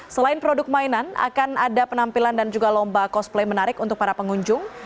selain produk mainan akan ada penampilan dan juga lomba cosplay menarik untuk para pengunjung